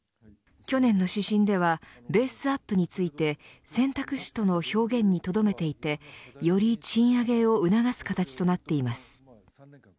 去年の指針ではベースアップについて選択肢との表現にとどめていてより賃上げを促す形となっています。